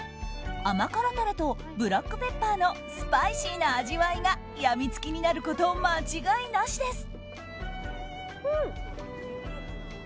甘辛タレとブラックペッパーのスパイシーな味わいがやみつきになること間違いなしです。